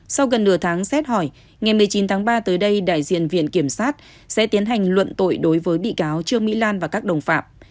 sau gần nửa tháng xét hỏi ngày một mươi chín tháng ba tới đây đại diện viện kiểm sát sẽ tiến hành luận tội đối với bị cáo trương mỹ lan và các đồng phạm